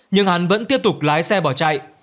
nhưng hắn vẫn tiếp tục lái xe bỏ chạy